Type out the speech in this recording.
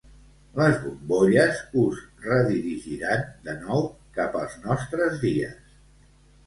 Les bombolles us redirigiran de nou cap als nostres dies.